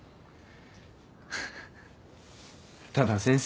ただ先生